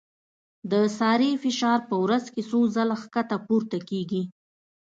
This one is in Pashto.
د سارې فشار په ورځ کې څو ځله ښکته پورته کېږي.